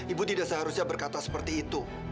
ibu tidak seharusnya berkata seperti itu